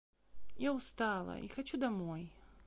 Я устала и хочу домой.